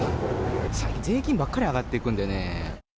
最近、税金ばっかり上がっていくんでね。